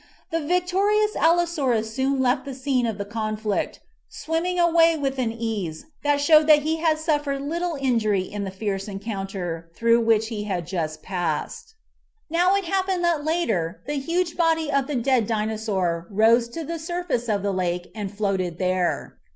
The victorious Allosaurus soon left the scene of the conflict, swimming away with an ease that showed he had suffered little injury in the fierce encounter through which he had just passed. MKJHTY ANIMALS 3 33 34 MIGHTY ANIMALS Now it happened that later the huge body of the dead Dinosaur rose to the surface of the lake and floated there.